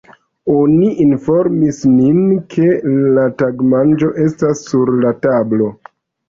Oni informis nin, ke la tagmanĝo estas sur la tablo.